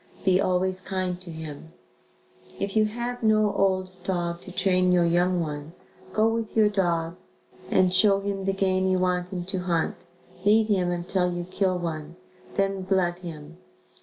Be always kind to him. If you have no old dog to train your young one, go with your dog and show him the game you want him to hunt, lead him until you kill one, then blood him.